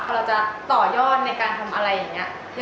เราจะต่อยอดในการทำอะไรอย่างนี้